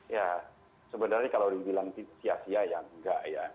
ya sebenarnya kalau dibilang sia sia ya enggak ya